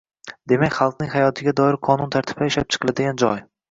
Demak, xalqning hayotiga doir qonun-tartiblar ishlab chiqiladigan joy